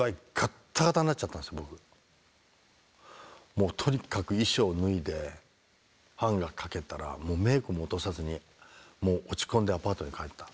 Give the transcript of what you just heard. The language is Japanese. もうとにかく衣装を脱いでハンガー掛けたらメイクも落とさずに落ち込んでアパートに帰った。